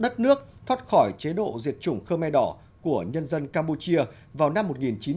đất nước thoát khỏi chế độ diệt chủng khmer đỏ của nhân dân campuchia vào năm một nghìn chín trăm bảy mươi chín